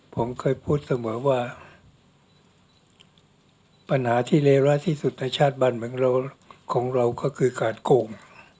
ผมเคยพูดเสมอว่าปัญหาที่เลวร้ายที่สุดในชาติบ้านเมืองเราของเราก็คือการโกง